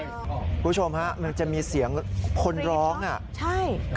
คุณผู้ชมฮะมันจะมีเสียงคนร้อง